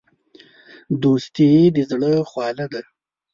دوستي د زړه خواله ده.